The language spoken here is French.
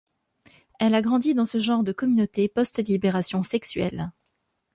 Elle a grandi dans ce genre de communauté post-libération sexuelle.